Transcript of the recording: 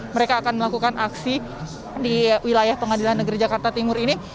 mereka akan melakukan aksi di wilayah pengadilan negeri jakarta timur ini